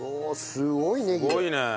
すごいねえ！